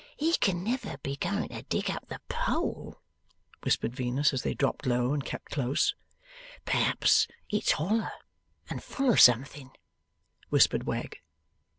'He can never be going to dig up the pole!' whispered Venus as they dropped low and kept close. 'Perhaps it's holler and full of something,' whispered Wegg.